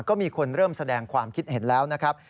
ก็มีคนเริ่มแสดงความคิดเห็นแล้วนะครับ